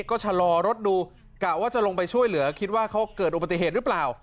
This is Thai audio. ก็ชะลอรถดูกะว่าจะลงไปช่วยเหลือคิดว่าเขาเกิดอุบัติเหตุหรือเปล่า